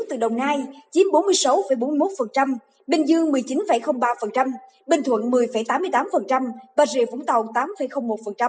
từ đồng nai chiếm bốn mươi sáu bốn mươi một bình dương một mươi chín ba bình thuận một mươi tám mươi tám bà rịa vũng tàu tám một